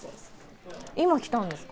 今来たんですか？